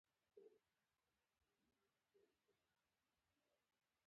د دولتي تشبثاتو مدیریتي چارې په اجارې یا مدیریت لیږدول کیږي.